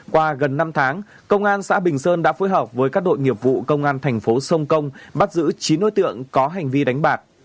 qua gần năm tháng công an xã bình sơn đã phối hợp với các đội nghiệp vụ công an thành phố sông công bắt giữ chín đối tượng có hành vi đánh bạc